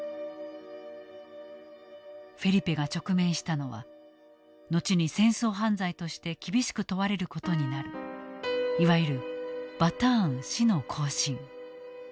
フェリペが直面したのは後に戦争犯罪として厳しく問われることになるいわゆるバターン死の行進。